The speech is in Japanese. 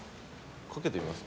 かけてみますか？